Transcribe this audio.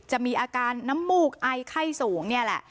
จะมีอาการน้ำมูกไอไข้สูงนี่แหละ